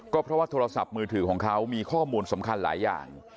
ก็เพราะว่าโทรศัพท์มือถือของเขามีข้อมูลสำคัญหลายอย่าง